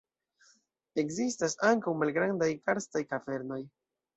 Ekzistas ankaŭ malgrandaj karstaj kavernoj.